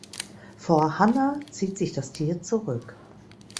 Vor Hannah zieht sich das Tier zurück.